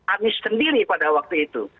anies sendiri pada waktu itu